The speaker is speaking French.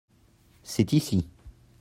c'est ici.